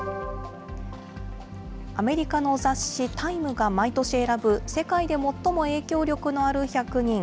アメリカの雑誌、タイムが毎年選ぶ、世界で最も影響力のある１００人。